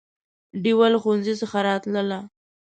ډېوه له ښوونځي څخه راتلله